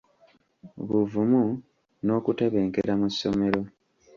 Buvumu n'Okutebenkera mu ssomero.